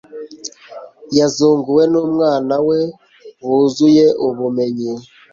yazunguwe n'umwana we wuzuye ubumenyi